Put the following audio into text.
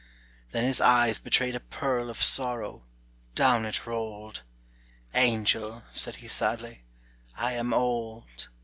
Then his eyes betrayed a pearl of sorrow, Down it rolled! "Angel," said he sadly, "I am old.